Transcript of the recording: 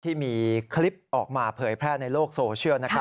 ที่มีคลิปออกมาเผยแพร่ในโลกโซเชียลนะครับ